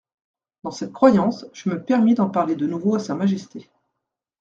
Dans cette croyance, je me permis d'en parler de nouveau à Sa Majesté.